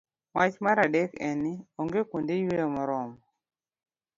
Wach mar adek en ni, onge kuonde yweyo moromo.